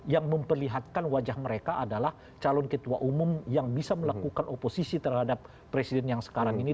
yang memperlihatkan wajah mereka adalah calon ketua umum yang bisa melakukan oposisi terhadap presiden yang sekarang ini